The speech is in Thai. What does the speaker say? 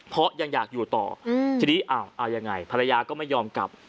เพราะยังอยากอยู่ต่อทีนี้เอายังไงภรรยาก็ไม่ยอมกลับ